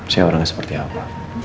si orangnya seperti apa